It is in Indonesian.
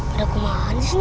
ada kemana sih